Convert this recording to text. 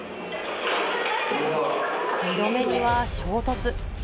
２度目には衝突。